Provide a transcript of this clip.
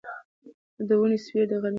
د ونې سیوری د غرمې په وخت کې ډېر خوند ورکوي.